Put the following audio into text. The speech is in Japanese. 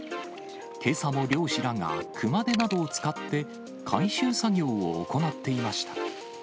けさも漁師らが熊手などを使って、回収作業を行っていました。